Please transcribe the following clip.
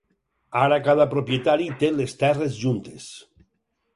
Ara cada propietari té les terres juntes.